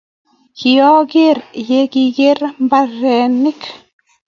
Ki oroken ye kiker mbarenyi